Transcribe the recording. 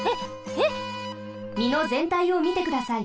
みのぜんたいをみてください。